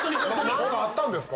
何かあったんですか？